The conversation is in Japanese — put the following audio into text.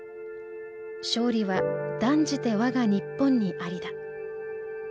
“勝利は断じて我が日本にありだ”」。